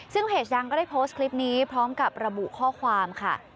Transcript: ซึ่งเพจดังก็ได้โพสต์คลิปนี้พร้อมกับระบุข้อความค่ะ